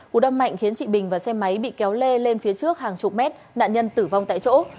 cú đâm mạnh khiến chị bình và xe máy bị kéo lê lên phía trước hàng chục mét nạn nhân tử vong tại chỗ